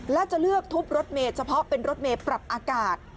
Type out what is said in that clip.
และจะเลือกทุบรถเมย์เฉพาะเป็นรถเมย์ปรับอากาศ